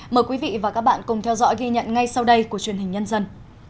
mời quý vị và các bạn cùng theo dõi ghi nhận ngay sau đây của truyền hình nhân dân